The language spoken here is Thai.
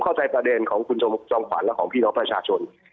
เข้าใจประเด็นของคุณจอมขวัญและของพี่น้องประชาชน